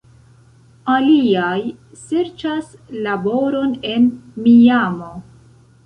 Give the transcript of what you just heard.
Aliaj serĉas laboron en Miamo.